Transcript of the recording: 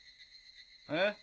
えっ？